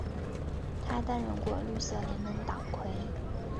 他担任过绿色联盟党魁。